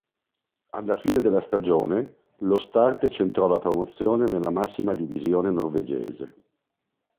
Alla fine della stagione, lo Start centrò la promozione nella massima divisione norvegese.